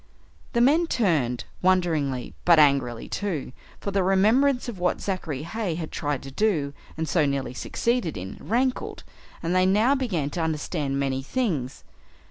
The men turned, wonderingly but angrily too, for the remembrance of what Zachary Heigh had tried to do, and so nearly succeeded in, rankled, and they now began to understand many things.